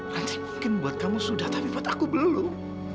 nanti mungkin buat kamu sudah tapi buat aku belum